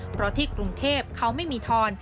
เพราะที่กรุงเทพเขาไม่มีทอน